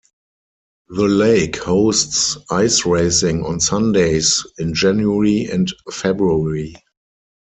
The lake hosts ice racing on Sundays in January and February.